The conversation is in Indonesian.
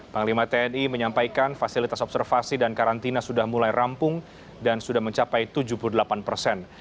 panglima tni menyampaikan fasilitas observasi dan karantina sudah mulai rampung dan sudah mencapai tujuh puluh delapan persen